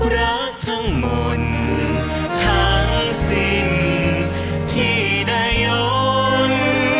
รักทั้งหมดทั้งสิ่งที่ได้ย้อน